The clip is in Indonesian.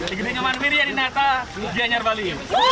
ini dengan nama mirian inata gianyar bali